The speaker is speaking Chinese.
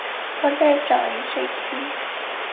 我在找饮水机